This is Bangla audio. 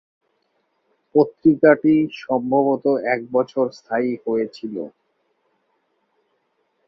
পত্রিকাটি সম্ভবত এক বছর স্থায়ী হয়েছিল।